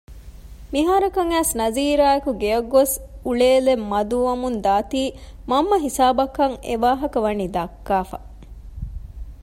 މިހާރަކަށް އައިސް ނަޒީރާއެކު ގެއަށްގޮސް އުޅޭލެއް މަދުވަމުންދާތީ މަންމަ ހިސާބަކަށް އެވާހަކަ ވަނީ ދައްކައިފަ